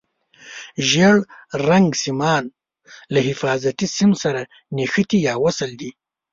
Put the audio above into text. ژېړ رنګ سیمان له حفاظتي سیم سره نښتي یا وصل دي.